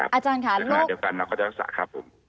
นะครับคือขนาดเดียวกันเราก็รักษาครับผม